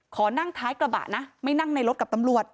ขอนั่งท้ายกระบะนะไม่นั่งในรถกับตำรวจ